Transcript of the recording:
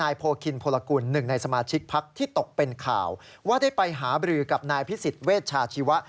โพคินพลกุลหนึ่งในสมาชิกพักที่ตกเป็นข่าวว่าได้ไปหาบรือกับนายพิสิทธิเวชชาชีวะ